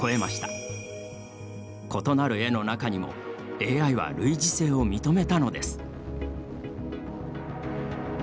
異なる絵の中にもＡＩは類似性を認めたのです。